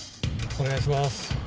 お願いします。